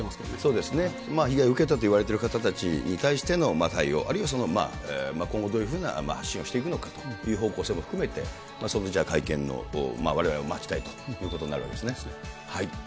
そうですね、被害を受けたと言われている人たちへの対応、あるいは今後、どういうふうな発信をしていくのかという方向性も含めて、会見をわれわれも待ちたいということになるわけですね。